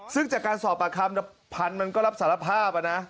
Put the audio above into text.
ซึ่งจากการสอบปากคำพันธุ์มันก็รับสารภาพนะ